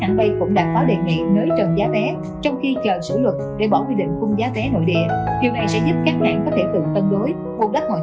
một đất mọi chi phí đầu vào ngay càng tăng